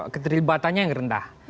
keterlibatannya yang rendah